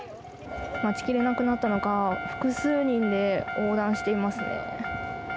待ちきれなくなったのか複数人で横断していますね。